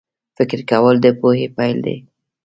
فکر کول د پوهې پیل دی